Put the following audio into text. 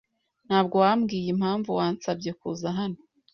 Ntabwo wambwiye impamvu wansabye kuza hano.